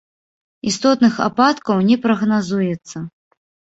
Істотных ападкаў не прагназуецца.